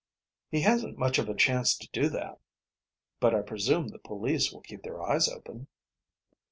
"He hasn't much of a chance to do that. But I presume the police will keep their eyes open."